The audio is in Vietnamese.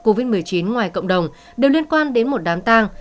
covid một mươi chín ngoài cộng đồng đều liên quan đến một đám tang